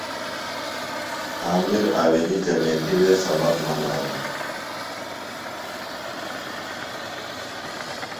عامر آویلی جمیتِوے سبق منانوۡ۔